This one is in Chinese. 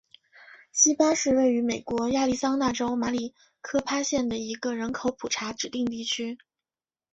锡巴是位于美国亚利桑那州马里科帕县的一个人口普查指定地区。